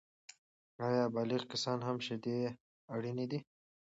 آیا بالغ کسان هم شیدې اړینې دي؟